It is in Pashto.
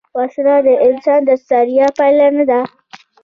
وسله د انسان د ستړیا پای نه ده